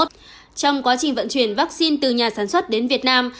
trong quá trình vận chuyển vaccine từ nhà sản xuất đến việt nam